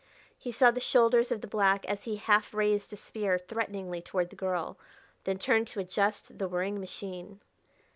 He saw the shoulders of the black as he half raised a spear threateningly toward the girl, then turned to adjust the whirring machine.